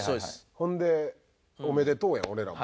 ほんでおめでとうや俺らも。